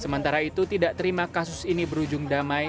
sementara itu tidak terima kasus ini berujung damai